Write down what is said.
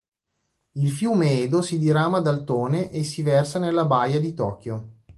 Il fiume Edo si dirama dal Tone e si versa nella Baia di Tokyo.